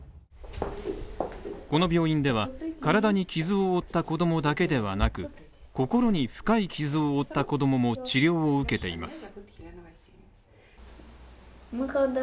この病院では体に傷を負った子供だけではなく、心に深い傷を負った子供も治療を受けています。